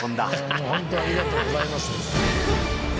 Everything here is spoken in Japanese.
もう本当にありがとうございますです。